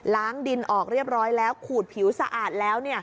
ดินออกเรียบร้อยแล้วขูดผิวสะอาดแล้ว